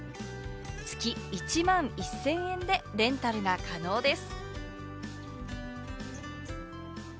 月１万１０００円でレンタルが可能です。